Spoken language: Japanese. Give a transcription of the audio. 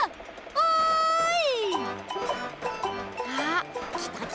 おい！